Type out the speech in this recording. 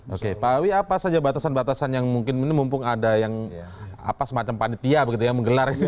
oke pak wih apa saja batasan batasan yang mungkin mumpung ada yang apa semacam panitia begitu ya menggelar gitu